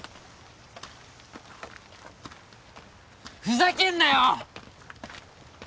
ふざけんなよ！